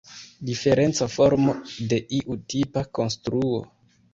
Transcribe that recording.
Diferenca formo de iu tipa konstruo.